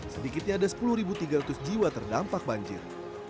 sedikitnya ada sepuluh tiga ratus jiwa terdampak banjir